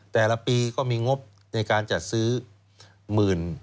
แต่ละปีก็มีงบในการจัดซื้อหมื่น